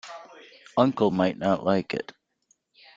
Uncle might not like it.